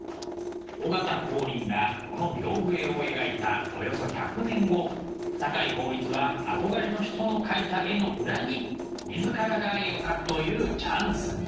尾形光琳がこの屏風絵を描いたおよそ１００年後酒井抱一は憧れの人の描いた絵の裏に自らが絵を描くというチャンスに。